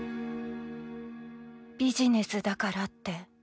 「ビジネスだからって。